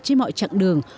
trên mọi chặng đường